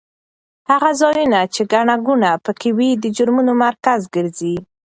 هغه ځایونه چې ګڼه ګوڼه پکې وي د جرمونو مرکز ګرځي.